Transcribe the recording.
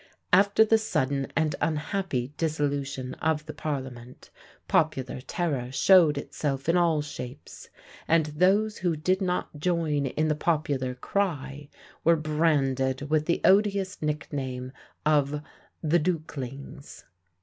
After the sudden and unhappy dissolution of the parliament, popular terror showed itself in all shapes; and those who did not join in the popular cry were branded with the odious nickname of the dukelings.